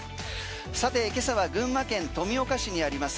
さて今朝は群馬県富岡市にあります